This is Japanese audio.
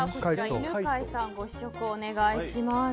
犬飼さんご試食をお願いします。